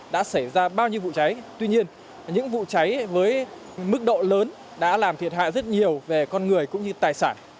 đã xảy ra bao nhiêu vụ cháy tuy nhiên những vụ cháy với mức độ lớn đã làm thiệt hại rất nhiều về con người cũng như tài sản